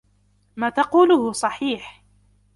ما تقوله صحيح.